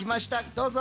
どうぞ。